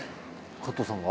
加藤さんが？